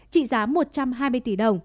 trị giá một trăm hai mươi tỷ đồng